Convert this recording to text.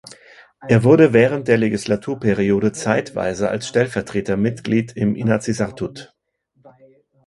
Er wurde während der Legislaturperiode zeitweise als Stellvertreter Mitglied im Inatsisartut.